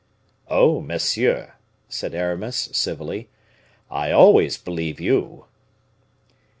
"Oh, monsieur!" said Aramis, civilly, "I always believe you."